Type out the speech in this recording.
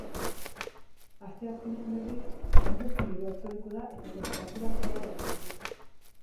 Asteazkenean, berriz, eguzki giroa itzuliko da eta tenperaturak gora egingo du.